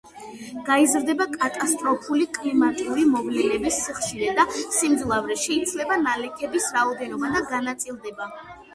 გაიზრდება კატასტროფული კლიმატური მოვლენების სიხშირე და სიმძლავრე, შეიცვლება ნალექების რაოდენობა და განაწილება.